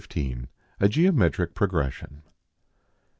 A GEOMETRIC PROGRESSION.